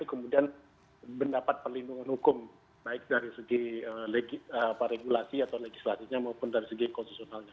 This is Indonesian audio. kemudian mendapat perlindungan hukum baik dari segi regulasi atau legislasinya maupun dari segi konstitusionalnya